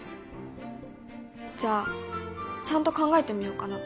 じゃあちゃんと考えてみようかな。